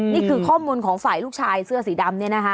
นี่คือข้อมูลของฝ่ายลูกชายเสื้อสีดำเนี่ยนะคะ